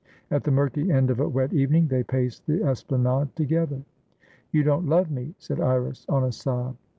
At the murky end of a wet evening, they paced the esplanade together. "You don't love me," said Iris, on a sob.